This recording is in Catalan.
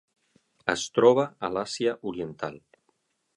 Es troba a l'Àsia Oriental.